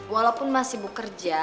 walaupun mas sibuk kerja